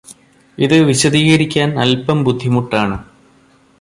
ഇത് വിശദീകരിക്കാന് അല്പം ബുദ്ധിമുട്ടാണ്